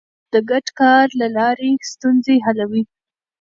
خلک د ګډ کار له لارې ستونزې حلوي